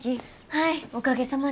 はいおかげさまで。